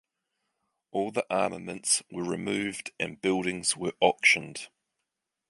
All the armaments were removed and buildings were auctioned.